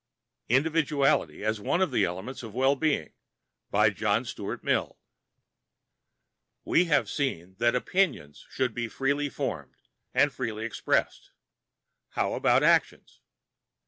—Individuality as One of the Elements of Well Being We have seen that opinions should be freely formed and freely expressed. How about actions?